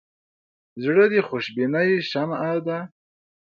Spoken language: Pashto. زړه د خوشبینۍ شمعه ده.